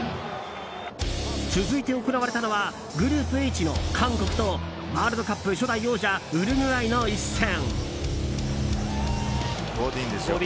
続いて行われたのはグループＨの韓国とワールドカップ初代王者ウルグアイの一戦。